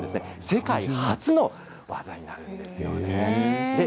世界初の技になるんですよね。